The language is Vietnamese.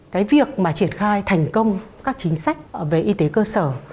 cái việc mà triển khai thành công các chính sách về y tế cơ sở